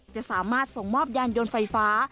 จะสามารถส่งมอบยานยนต์ไฟฟ้า